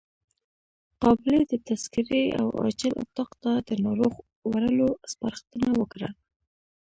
قابلې د تذکرې او عاجل اتاق ته د ناروغ وړلو سپارښتنه وکړه.